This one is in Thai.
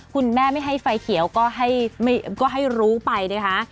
คุณแม่ไม่ให้ไฟเขียวก็ให้รู้ไปนะคะ